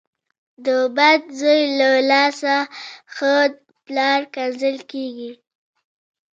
د بد زوی له لاسه ښه پلار کنځل کېږي .